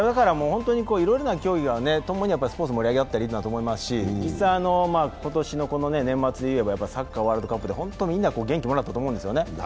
いろいろな競技がともにスポーツを盛り上げ合ったらいいと思いますし実際、今年の年末でいえばサッカーのワールドカップでほんとみんな元気をもらったと思います。